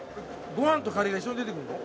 ご飯とカレーが一緒に出てくるの？